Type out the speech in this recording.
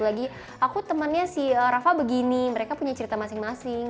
lagi aku temannya si rafa begini mereka punya cerita masing masing